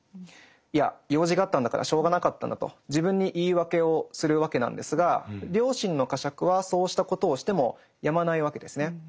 「いや用事があったんだからしょうがなかったんだ」と自分に言い訳をするわけなんですが良心の呵責はそうしたことをしてもやまないわけですね。